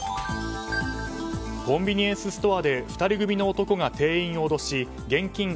コンビニエンスストアで２人組の男が店員を脅し現金